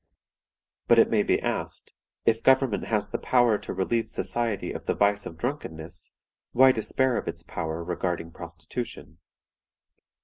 "But it may be asked, If government has the power to relieve society of the vice of drunkenness, why despair of its power regarding prostitution?